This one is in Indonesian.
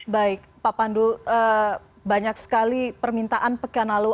baik pak pandu banyak sekali permintaan pekan lalu